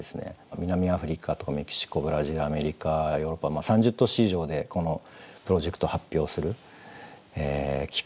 南アフリカとかメキシコブラジルアメリカヨーロッパ３０都市以上でこのプロジェクトを発表する機会に恵まれました。